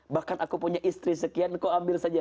bahkan aku punya istri sekian kau ambil saja